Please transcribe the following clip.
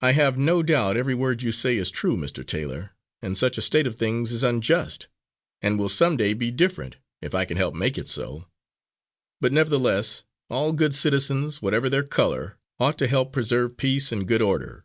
"I have no doubt every word you say is true, Mr. Taylor, and such a state of things is unjust, and will some day be different, if I can help to make it so. But, nevertheless, all good citizens, whatever their colour, ought to help to preserve peace and good order."